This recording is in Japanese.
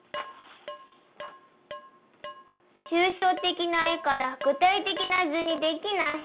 抽象的な絵から具体的な図にできない。